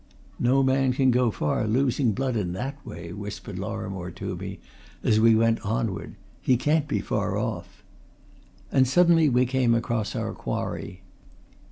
"No man can go far, losing blood in that way," whispered Lorrimore to me as we went onward. "He can't be far off." And suddenly we came across our quarry.